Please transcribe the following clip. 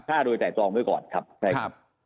ฆ่าโดยไต่ตรองไว้ก่อนครับ